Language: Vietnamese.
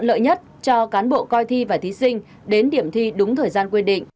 lợi nhất cho cán bộ coi thi và thí sinh đến điểm thi đúng thời gian quy định